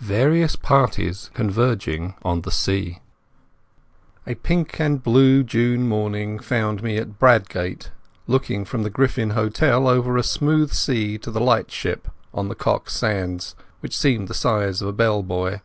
Various Parties Converging on the Sea A pink and blue June morning found me at Bradgate looking from the Griffin Hotel over a smooth sea to the lightship on the Cock sands which seemed the size of a bell buoy.